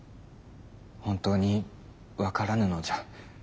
本当に分からぬのじゃ。